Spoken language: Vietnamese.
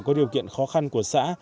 có điều kiện khó khăn của xã